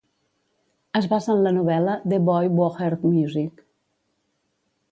Es basa en la novel·la "The Boy Who Heard Music".